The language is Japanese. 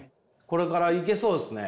これからいけそうですね。